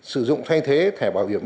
sử dụng thay thế thẻ bảo hiểm